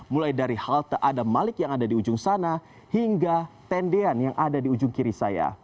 mulai dari halte adam malik yang ada di ujung sana hingga tendean yang ada di ujung kiri saya